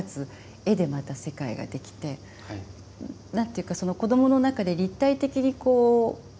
絵でまた世界ができて何ていうかその子どもの中で立体的に形世界が。